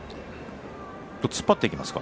突っ張っていきますか？